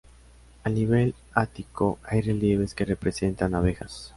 Al nivel del ático hay relieves que representan abejas.